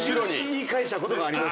言い返したことがあります。